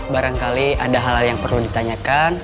barangkali ada hal hal yang perlu ditanyakan